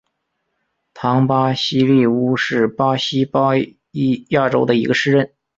唐巴西利乌是巴西巴伊亚州的一个市镇。